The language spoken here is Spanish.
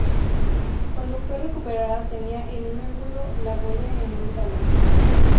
Cuando fue recuperado tenía en un ángulo la huella de un talón.